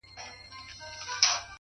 لوړ انسان له نورو نه زده کوي؛